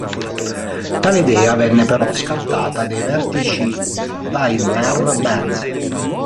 Tale idea venne però scartata dai vertici Daimler-Benz.